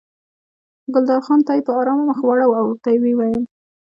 ګلداد خان ته یې په ارامه مخ واړاوه او ورته ویې ویل.